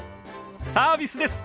サービスです。